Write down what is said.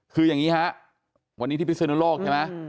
คืออย่างนี้ฮะวันนี้ที่พิศนุโลกใช่ไหม